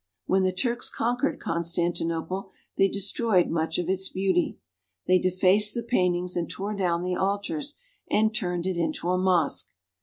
When the Turks conquered Constantinople they destroyed much of its beauty. They defaced the paintings, and tore down the altars, and turned it into a mosque.